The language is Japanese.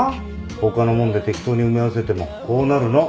他のもんで適当に埋め合わせてもこうなるの。